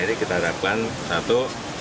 ini kita harapkan satu